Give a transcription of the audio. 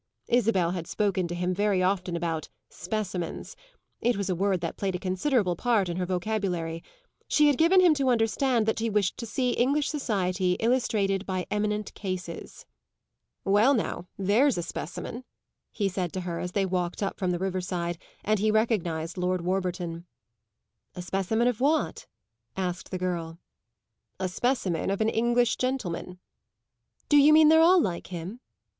Isabel had spoken to him very often about "specimens;" it was a word that played a considerable part in her vocabulary; she had given him to understand that she wished to see English society illustrated by eminent cases. "Well now, there's a specimen," he said to her as they walked up from the riverside and he recognised Lord Warburton. "A specimen of what?" asked the girl. "A specimen of an English gentleman." "Do you mean they're all like him?"